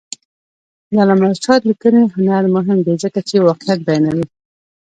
د علامه رشاد لیکنی هنر مهم دی ځکه چې واقعیت بیانوي.